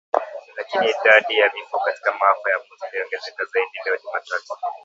Lakini, idadi ya vifo katika maafa ya moto iliongezeka zaidi leo Jumatatu.